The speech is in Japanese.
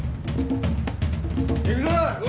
行くぞ！